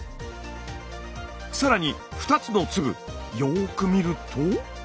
更に２つの粒よく見ると。